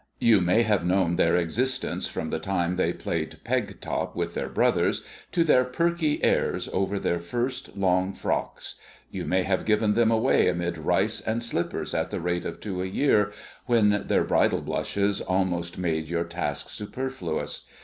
You may have known their existences from the time they played peg top with their brothers to their perky airs over their first long frocks. You may have given them away amid rice and slippers at the rate of two a year, when their bridal blushes almost made your task superfluous.